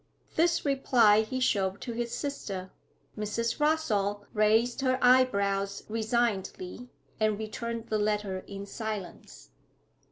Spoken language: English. This reply he showed to his sister. Mrs. Rossall raised her eyebrows resignedly, and returned the letter in silence.